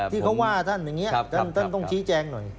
ที่เขาว่าท่านอย่างนี้ท่านต้องชี้แจงหน่อย